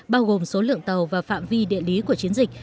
bao gồm số lượng tàu và phạm vi địa lý của chiến dịch